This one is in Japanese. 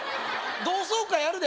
「同窓会あるで」